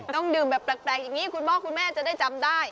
ต้องดื่มแบบแปลกอย่างนี้คุณพ่อคุณแม่จะได้จำได้